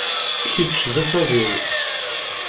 Kečč d asaḍ-iw.